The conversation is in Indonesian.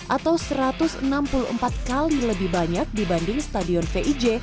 atau satu ratus enam puluh empat kali lebih banyak dibanding stadion vij